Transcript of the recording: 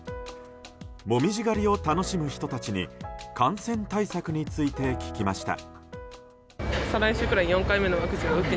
紅葉狩りを楽しむ人たちに感染対策について聞きました。